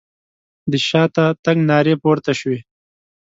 د شاته تګ نارې پورته شوې.